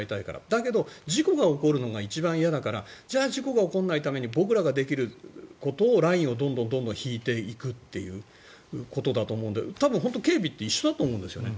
だけど事故が起こるのが一番嫌だから事故が起こらないように僕らができることをラインをどんどん引いていくということだと思うので多分、本当に警備って一緒だと思うんですよね。